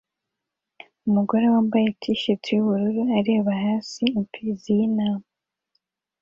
Umugore wambaye t-shirt yubururu areba hasi impfizi y'intama